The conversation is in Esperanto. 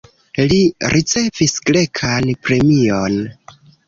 Li ricevis grekan premion.